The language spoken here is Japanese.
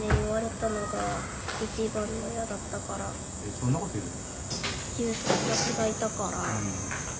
そんなこと言うの？